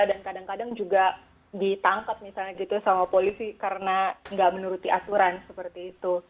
dan kadang kadang juga ditangkap misalnya gitu sama polisi karena tidak menuruti asuran seperti itu